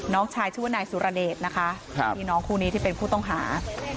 น้องชายชื่อว่านายสุรเดชนะคะพี่น้องคู่นี้ที่เป็นผู้ต้องหา